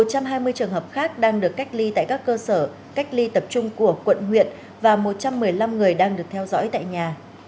một trăm hai mươi trường hợp khác đang được cách ly tại các cơ sở cách ly tập trung của quận huyện và một trăm một mươi năm người đang được theo dõi tại nhà